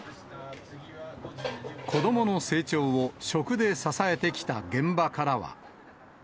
子どもの成長を食で支えてきた現場からは。